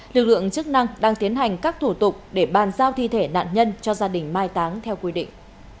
lực lượng chức năng đang tiến hành các thủ tục để bàn giao thi thể nạn nhân cho gia đình mai táng theo quy định